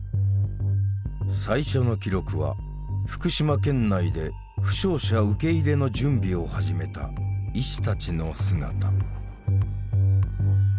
最初の記録は福島県内で負傷者受け入れの準備を始めた医師たちの姿。